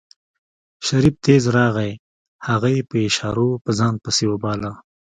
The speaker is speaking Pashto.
شريف تېز راغی هغه يې په اشارو په ځان پسې وباله.